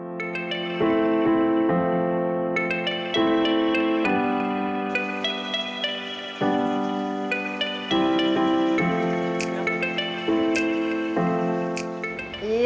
mari kita berbicara lagi